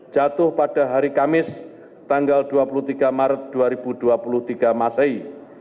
jatuh pada hari kamis tanggal dua puluh tiga maret dua ribu dua puluh tiga masai